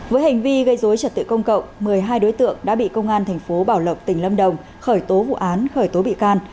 với hành vi gây dối trật tự công cộng một mươi hai đối tượng đã bị công an thành phố bảo lộc tỉnh lâm đồng khởi tố vụ án khởi tố bị can